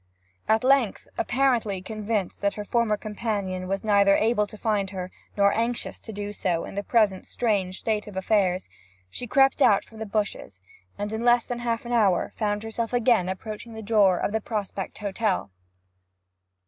At length, apparently convinced that her former companion was either unable to find her, or not anxious to do so, in the present strange state of affairs, she crept out from the bushes, and in less than an hour found herself again approaching the door of the Prospect Hotel.